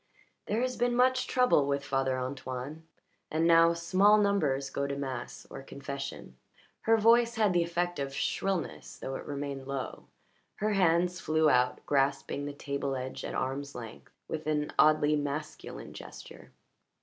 "There has been much trouble with Father Antoine, and now small numbers go to mass or confession." Her voice had the effect of shrillness though it remained low; her hands flew out, grasping the table edge at arms' length with an oddly masculine gesture.